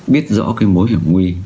biết rõ cái mối hiểm nguy